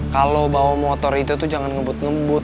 kalau bawa motor itu tuh jangan ngebut ngebut